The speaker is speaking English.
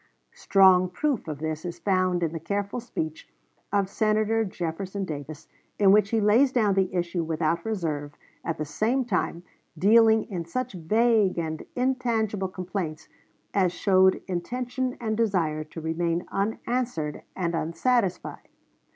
Strong proof of this is found in the careful speech of Senator Jefferson Davis, in which he lays down the issue without reserve, at the same time dealing in such vague and intangible complaints as showed intention and desire to remain unanswered and unsatisfied..